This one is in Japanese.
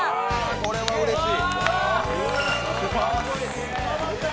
これはうれしい。